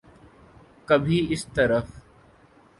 کبھی اس طرف۔